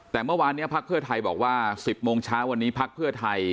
แต่เมื่อวานนี้พักเพื่อไทยบอกว่า๑๐โมงเช้าวันนี้พักเพื่อไทย